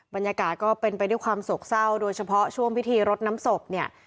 บรรยากาศก็เป็นไปด้วยความโศกเศร้าโดยเฉพาะช่วงพิธีรดน้ำศพเนี่ย